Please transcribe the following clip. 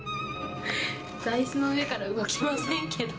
座いすの上から動きませんけど。